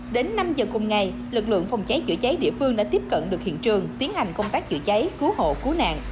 đến năm giờ cùng ngày lực lượng phòng cháy chữa cháy địa phương đã tiếp cận được hiện trường tiến hành công tác chữa cháy cứu hộ cứu nạn